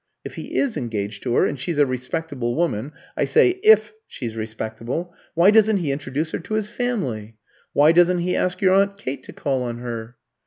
If he is engaged to her, and she's a respectable woman I say if she's respectable, why doesn't he introduce her to his family? Why doesn't he ask your aunt Kate to call on her?"